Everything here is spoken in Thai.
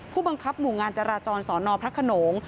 ผู้บังคับหมู่งานจราจรสอนอพระขนง